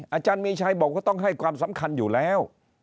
อาจารย์มีชัยบอกว่าต้องให้ความสำคัญอยู่แล้ว